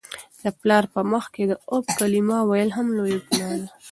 د پلار په مخ کي د "اف" کلمه ویل هم لویه ګناه ده.